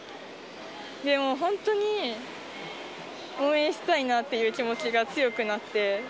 でも、本当に応援したいなという気持ちが強くなって。